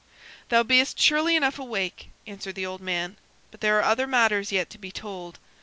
"Thou be'st surely enough awake," answered the old man; "but there are other matters yet to be told.